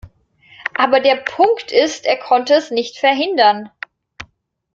Aber der Punkt ist, er konnte es nicht verhindern.